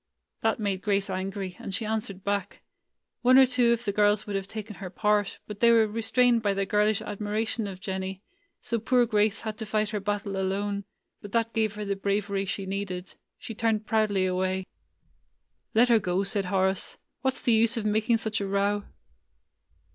That made Grace angry, and she answered back. One or two of the girls would have taken her part, but they were restrained by their girlish admiration of Jennie; so poor Grace had to fight her battle alone; but that gave her the bravery she needed. She turned proudly away. "Let her go," said Horace. "What 's the use of making such a row?"